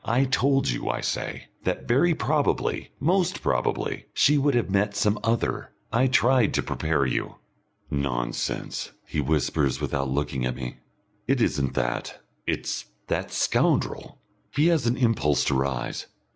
"I told you," I say, "that very probably, most probably, she would have met some other. I tried to prepare you." "Nonsense," he whispers, without looking at me. "It isn't that. It's that scoundrel " He has an impulse to rise.